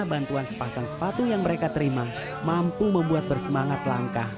bantuan sepasang sepatu yang mereka terima mampu membuat bersemangat langkah